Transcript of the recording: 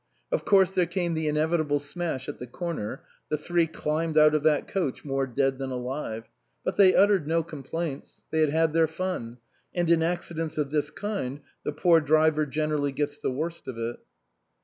Of course there came the inevitable smash at the corner. The three climbed out of that coach more dead than alive ; but they uttered no complaints ; they had had their fun ; and in accidents of this kind the poor driver generally gets the worst of it.